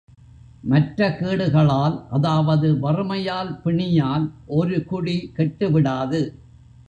மற்ற கேடுகளால் அதாவது வறுமையால் பிணியால் ஒரு குடி கெட்டுவிடாது.